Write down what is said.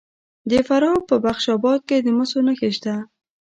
د فراه په بخش اباد کې د مسو نښې شته.